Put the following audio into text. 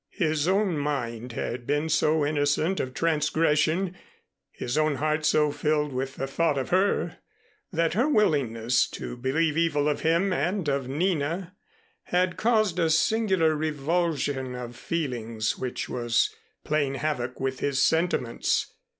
His own mind had been so innocent of transgression, his own heart so filled with the thought of her, that her willingness to believe evil of him and of Nina had caused a singular revulsion of feeling which was playing havoc with his sentiments.